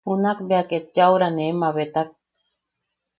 Juna bea ket yaʼura nee mabetak.